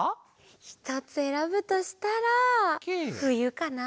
ひとつえらぶとしたらふゆかな！